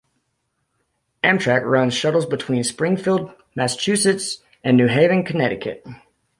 Amtrak runs Shuttles between Springfield, Massachusetts, and New Haven, Connecticut.